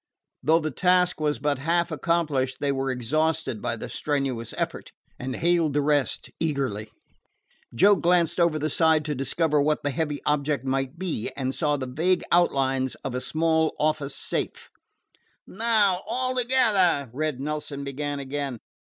Though the task was but half accomplished, they were exhausted by the strenuous effort, and hailed the rest eagerly. Joe glanced over the side to discover what the heavy object might be, and saw the vague outlines of a small office safe. "Now all together!" Red Nelson began again.